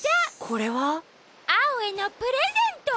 これは？アオへのプレゼント！